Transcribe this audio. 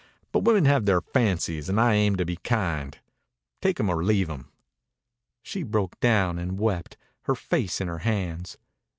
But women have their fancies an' I aim to be kind. Take 'em or leave 'em." She broke down and wept, her face in her hands.